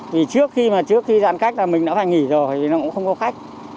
thì trước khi mà trước khi giãn cách là mình đã phải nghỉ rồi thì nó cũng không có khách